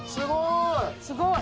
すごい。